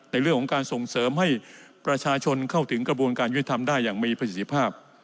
ในเรื่องของการส่งเสริมให้ประชาชนเข้าถึงกระบวนการยุติธรรมได้อย่างมีประสิทธิภาพ